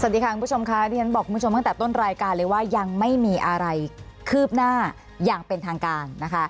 สวัสดีค่ะคุณผู้ชมค่ะที่ฉันบอกคุณผู้ชมตั้งแต่ต้นรายการเลยว่ายังไม่มีอะไรคืบหน้าอย่างเป็นทางการนะคะ